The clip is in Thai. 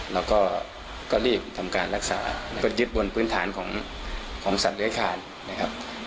เราก็รีบทำการรักษาก็เย็บบนพื้นฐานของสัตว์เรื้อขาดนะครับ